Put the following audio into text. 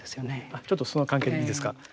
ちょっとその関係でいいですかはい。